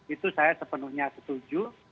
itu saya sepenuhnya setuju